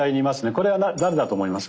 これは誰だと思います？